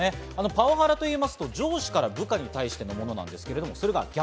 パワハラと言いますと、上司から部下に対してのものなんですけれど、それが逆。